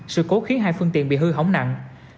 sự cố khiến hai phương tiện bị hư hỏng nặng